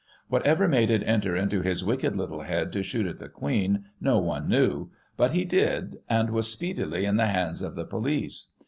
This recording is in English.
Whatever made it enter into his wicked little head to shoot at the Queen, no one knew, but he did, and was speedily in the hands of the police.